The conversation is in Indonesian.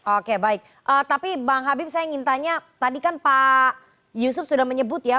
oke baik tapi bang habib saya ingin tanya tadi kan pak yusuf sudah menyebut ya